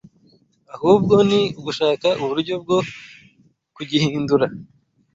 ahubwo ni ugushaka uburyo bwo kugihindura